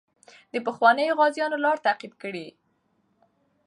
د پخوانیو غازیانو لار تعقیب کړئ.